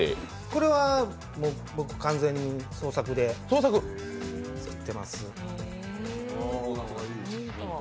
これは僕完全に創作で作ってます。